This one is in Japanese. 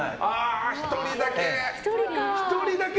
１人だけ。